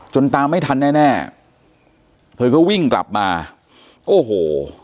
ตามไม่ทันแน่แน่เธอก็วิ่งกลับมาโอ้โห